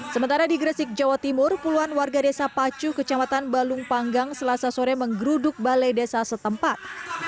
sementara di gresik jawa timur puluhan warga desa pacu kecamatan balung panggang selasa sore menggeruduk balai desa setempat